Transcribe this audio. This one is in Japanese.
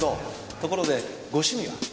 ところでご趣味は？